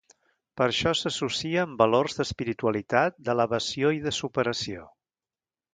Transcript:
Per això s'associa amb valors d'espiritualitat, d'elevació i de superació.